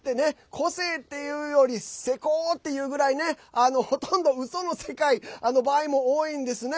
個性っていうよりセコ！っていうぐらいねほとんど、うその世界の場合も多いんですね。